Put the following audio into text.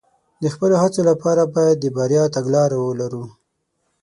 د خپلو هڅو لپاره باید د بریا تګلاره ولرو.